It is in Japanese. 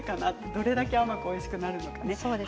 どれだけおいしくなるのかね。